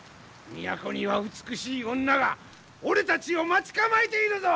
都には美しい女が俺たちを待ち構えているぞ！